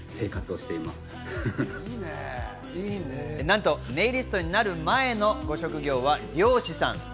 なんとネイリストになる前のご職業は漁師さん。